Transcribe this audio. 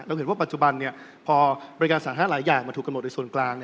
เห็นว่าปัจจุบันพอบริการสาธารณะหลายอย่างมาถูกกันหมดในส่วนกลาง